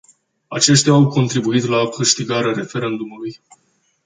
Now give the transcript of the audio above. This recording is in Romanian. Aceștia au contribuit la câștigarea referendumului.